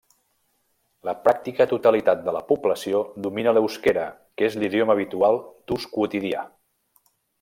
La pràctica totalitat de la població domina l'euskera, que és l'idioma habitual d'ús quotidià.